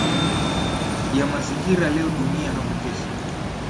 ya mazingira leo dunia hapo kesho